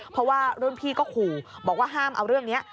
เพราะว่ารุ่นพี่ก็ขู่บอกว่าห้ามเอาเรื่องนี้